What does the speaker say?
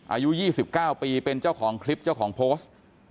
อายุ๒๙ปีเป็นเจ้าของคลิปเจ้าของโพสต์